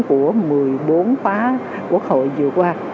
của một mươi bốn khóa quốc hội vừa qua